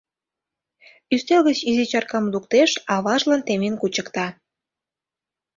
Ӱстел гыч изи чаркам луктеш, аважлан темен кучыкта.